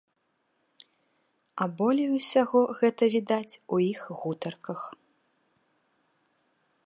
А болей усяго гэта відаць у іх гутарках.